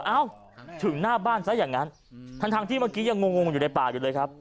เอ้าถึงหน้าบ้านซะอย่างนั้นทั้งที่เมื่อกี้ยังงงอยู่ในป่าอยู่เลยครับ